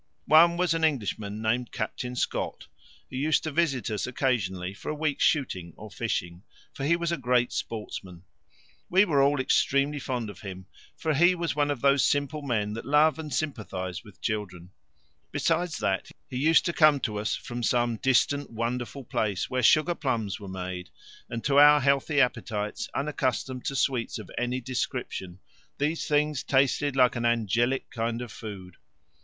One was an Englishman named Captain Scott, who used to visit us occasionally for a week's shooting or fishing, for he was a great sportsman. We were all extremely fond of him, for he was one of those simple men that love and sympathize with children; besides that, he used to come to us from some distant wonderful place where sugar plums were made, and to our healthy appetites, unaccustomed to sweets of any description, these things tasted like an angelic kind of food.